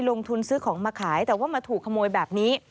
ลงทุนซื้อของมาขายแต่ว่ามาถูกขโมยแบบนี้